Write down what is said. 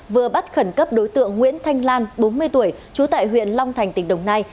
vừa bắt khẩn cấp đối tượng nguyễn thanh lan bốn mươi tuổi trú tại huyện long thành tỉnh đồng nai